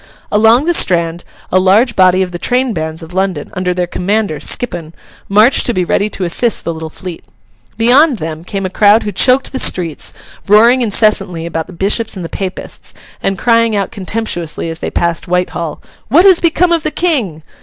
Along the Strand a large body of the train bands of London, under their commander, Skippon, marched to be ready to assist the little fleet. Beyond them, came a crowd who choked the streets, roaring incessantly about the Bishops and the Papists, and crying out contemptuously as they passed Whitehall, 'What has become of the King?